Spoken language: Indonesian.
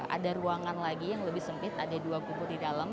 ada ruangan lagi yang lebih sempit ada dua kubur di dalam